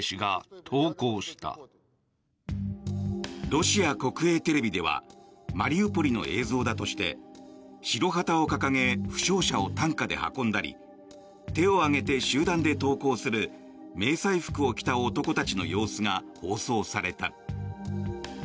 ロシア国営テレビではマリウポリの映像だとして白旗を掲げ負傷者を担架で運んだり手を上げて集団で投降する迷彩服を着た男たちの様子が放送された。